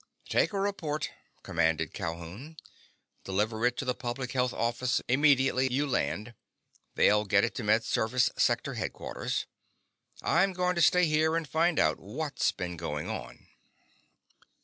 "Take a report," commanded Calhoun. "Deliver it to the public health office immediately you land. They'll get it to Med Service sector headquarters. I'm going to stay here and find out what's been going on."